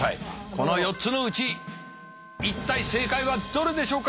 この４つのうち一体正解はどれでしょうか。